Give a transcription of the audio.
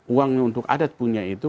uangnya untuk adat punya itu